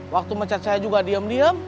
waktu mecat saya juga diem diem